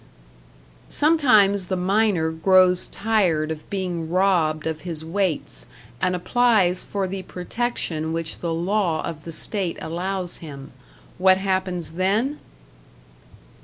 Sometimes the miner grows tired of being robbed of his weights, and applies for the protection which the law of the state allows him. What happens then?